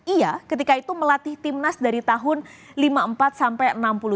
ia ketika itu melatih tim nas dari tahun lima puluh empat sampai enam puluh tiga